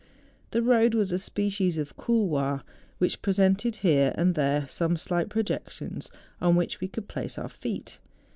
The road was a species of couloir, which presented here and there some slight projec¬ tions on which we could place our feet.